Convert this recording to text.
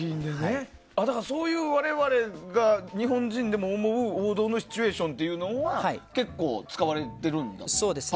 だから、そういう我々、日本人でも思う王道シチュエーションというのは結構使われているんですね